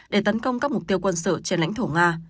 để tấn công các mục tiêu quân sự trên lãnh thổ nga